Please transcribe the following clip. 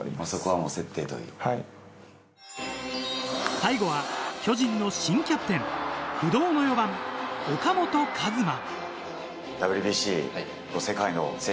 最後は巨人の新キャプテン、不動の４番・岡本和真。